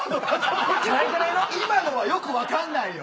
今のはよく分かんないよ。